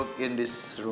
enggak enggak enggak